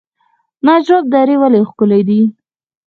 نجراب درې ولې ښکلې دي؟